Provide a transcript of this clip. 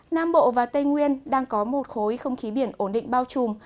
nam bộ và tây nguyên đang có một khối không khí biển ổn định bao trùm